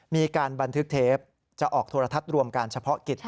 มีการบันทึกเทปจะออกโทรทัศน์รวมการเฉพาะกิจ